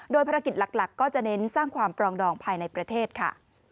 โดยภารกิจหลักก็จะเน้นสร้างความปรองดองภายในประเทศค่ะ